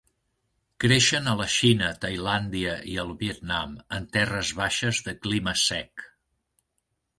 Creixen a la Xina, Tailàndia i al Vietnam, en terres baixes de clima sec.